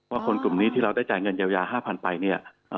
ว่าคนกลุ่มนี้ที่เราได้จ่ายเงินเยา๕๐๐๐ไป